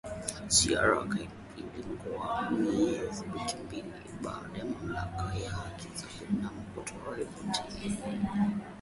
Ziara yake inajiri wiki mbili baada ya Mamlaka ya haki za binadamu kutoa ripoti